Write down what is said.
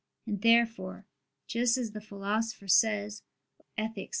And therefore, just as the Philosopher says (Ethic.